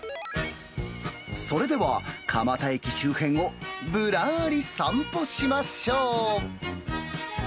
それでは蒲田駅周辺をぶらーり散歩しましょう。